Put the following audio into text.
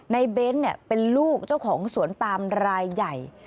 เบ้นเป็นลูกเจ้าของสวนปามรายใหญ่